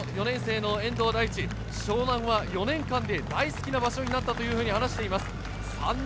４年生の遠藤大地、湘南は４年間で大好きな場所になったと話しています。